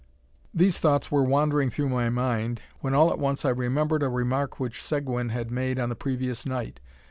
These thoughts were wandering through my mind, when all at once I remembered a remark which Seguin had made on the previous night.